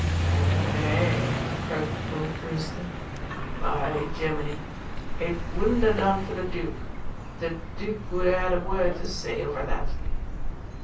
"Eh eh," croaked old Brewster. "By Jimini! it wouldn't ha' done for the Dook; the Dook would ha' had a word to say over that."